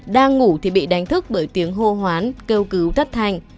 đang ngủ thì bị đánh thức bởi tiếng hô hoán kêu cứu thất hành